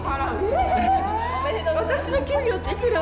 私の給料っていくら？